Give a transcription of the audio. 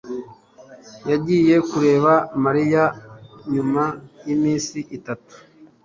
yagiye kureba Mariya nyuma yiminsi itatu.